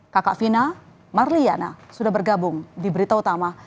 kakak vina marliana sudah bergabung di berita utama